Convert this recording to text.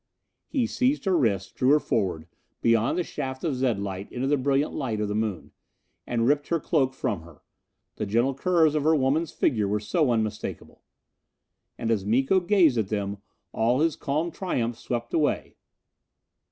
He seized her wrist, drew her forward, beyond the shaft of zed light, into the brilliant light of the Moon. And ripped her cloak from her. The gentle curves of her woman's figure were so unmistakable! And as Miko gazed at them, all his calm triumph swept away.